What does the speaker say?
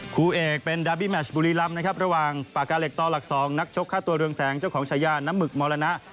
คู่เอกเป็นดาร์บี้แมชบุรีลำนะครับระหว่างปากกาเหล็กต่อหลัก๒นักชกฆ่าตัวเรืองแสงเจ้าของฉายาน้ำหึกมรณะ